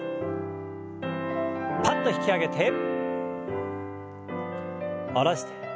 パッと引き上げて下ろして。